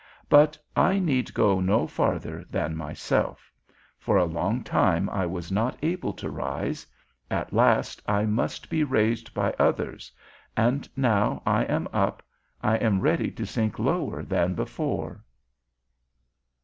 But I need go no farther than myself: for a long time I was not able to rise; at last I must be raised by others; and now I am up, I am ready to sink lower than before.